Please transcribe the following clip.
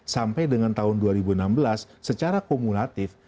sampai dengan tahun dua ribu enam belas secara kumulatif